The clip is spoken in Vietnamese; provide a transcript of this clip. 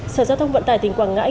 sở giao thông vận tải tỉnh quảng ngãi